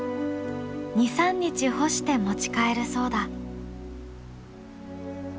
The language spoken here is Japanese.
２３日干して持ち帰るそうだ。